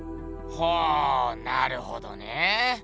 ほぉなるほどね。